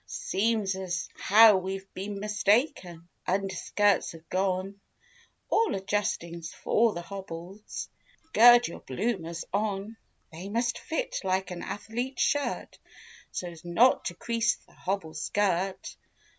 129 Seems as how we've been mistaken— Underskirts have gone; All adjustings 'fore the hobble's: Gird your bloomers on; They must fit like an athlete's shirt So's not to crease the hobble skirt.